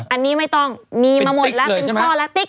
อันนี้ไม่ต้องมีมาหมดแล้วเป็นข้อละติ๊ก